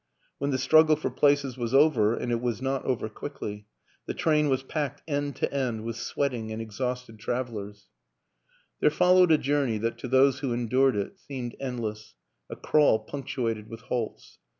When the struggle for places was over and it was not over quickly the train was packed end to end with sweating and exhausted travelers. i86 WILLIAM AN ENGLISHMAN There followed a journey that to those who endured it seemed endless, a crawl punctuated with halts.